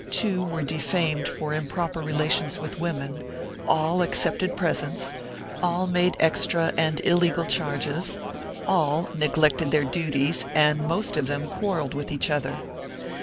V] ABUSES 529 two were defamed for improper relations with women; all accepted presents; all made extra and illegal charges; all neglected their duties and most of them quarrelled with each other.